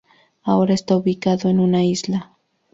Ahora está ubicado en una isla.